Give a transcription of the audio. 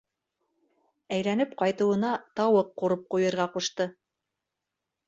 Әйләнеп ҡайтыуына тауыҡ ҡурып ҡуйырға ҡушты.